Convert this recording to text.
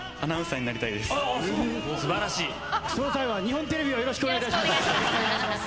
その際は日本テレビをよろしくお願いいたします。